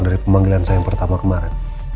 dari pemanggilan saya yang pertama kemarin